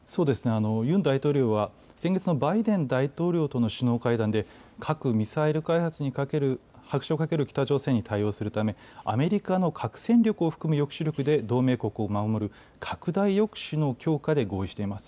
ユン大統領は先月のバイデン大統領との首脳会談で、核・ミサイル開発に拍車をかける北朝鮮に対応するため、アメリカの核戦力を含む抑止力で同盟国を守る、拡大抑止の強化で合意しています。